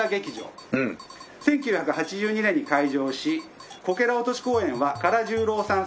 １９８２年に開場しこけら落とし公演は唐十郎さん